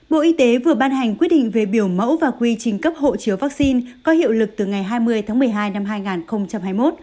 bộ y tế vừa ban hành quyết định về biểu mẫu và quy trình cấp hộ chiếu vaccine có hiệu lực từ ngày hai mươi tháng một mươi hai năm hai nghìn hai mươi một